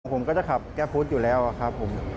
ผมก็จะขับแก้ฟุตอยู่แล้วครับผม